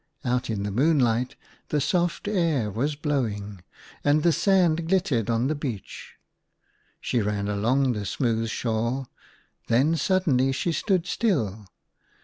Out in the moonlight the soft air was blowing, and the sand glittered on the beach. She ran along the smooth shore, then suddenly she stood still.